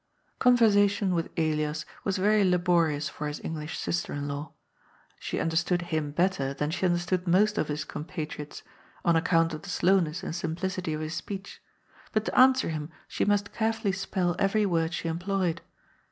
Conversation with Elias was very laborious for his Eng lish sister in law. She understood him better than she un derstood most of his compatriots, on account of the slow ness and simplicity of his speech, but to answer him she must carefully spell every word she employed.